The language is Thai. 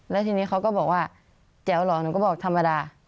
แล้วทีนี้เขาก็บอกว่าแจ๋วเหรอหนูก็บอกธรรมดา